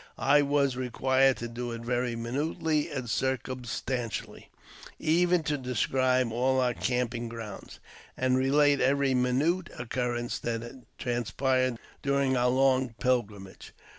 I was required to do it very minutely and circum stantially — even to describe all our camping grounds, and relate every minute occurrence that transpired during our long pilgrimage.